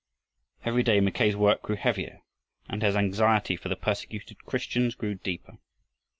Every day Mackay's work grew heavier and his anxiety for the persecuted Christians grew deeper.